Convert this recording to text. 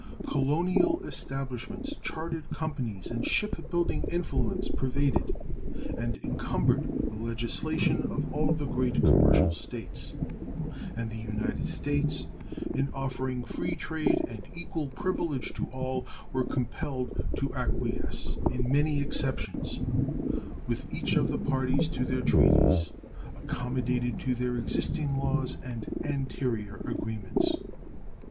Colonial establishments, chartered companies, and ship building influence pervaded and encumbered the legislation of all the great commercial states; and the United States, in offering free trade and equal privilege to all, were compelled to acquiesce in many exceptions with each of the parties to their treaties, accommodated to their existing laws and anterior agreements.